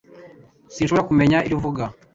Sinshobora kumenya ibyo uvuga